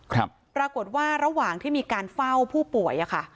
ครับปรากฏว่าระหว่างที่มีการเฝ้าผู้ป่วยอ่ะค่ะ